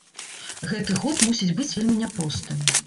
Гэты год мусіць быць вельмі няпростым.